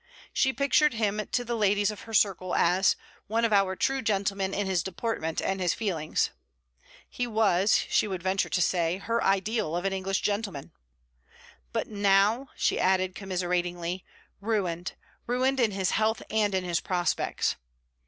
She pictured him to the ladies of her circle as 'one of our true gentlemen in his deportment and his feelings.' He was, she would venture to say, her ideal of an English gentleman. 'But now,' she added commiseratingly, 'ruined; ruined in his health and in his prospects.'